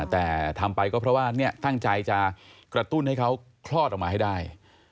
แต่ทำไปก็เพราะว่าตั้งใจจะกระตุ้นให้เขาคลอดออกมาให้ได้